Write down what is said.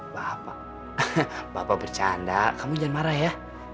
bapak bapak bercanda kamu jangan marah ya